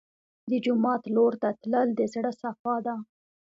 د جومات لور ته تلل د زړه صفا ده.